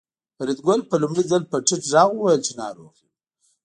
فریدګل په لومړي ځل په ټیټ غږ وویل چې ناروغ یم